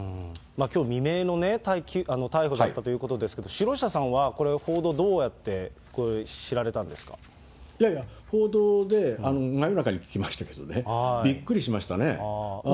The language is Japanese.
きょう未明の逮捕だったということですけど、城下さんはこれ、報道、いやいや、報道で、真夜中に聞きましたけどね、びっくりしましたね。